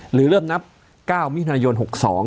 หรือเริ่มนับ๙มิถุนายน๖๒